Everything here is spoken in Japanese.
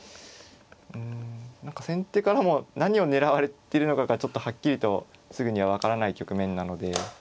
うん何か先手からも何を狙われてるのかがちょっとはっきりとすぐには分からない局面なので。